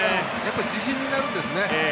自信になるんですね。